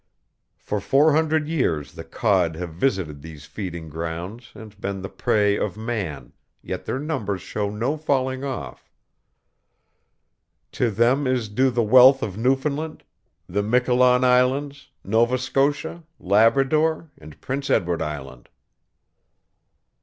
For four hundred years the cod have visited these feeding grounds and been the prey of man, yet their numbers show no falling off. To them is due the wealth of Newfoundland, the Miquelon Islands, Nova Scotia, Labrador, and Prince Edward Island.